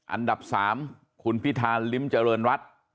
อันดับ๓คุณพิทานลิมธ์เจริญรัตน์